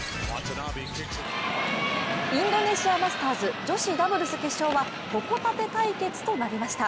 インドネシアマスターズ女子ダブルス決勝はホコタテ対決となりました。